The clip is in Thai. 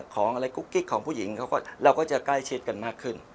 ของอะไรกุ๊กกิ๊กของผู้หญิงเราก็จะใกล้ชิดกันมากขึ้น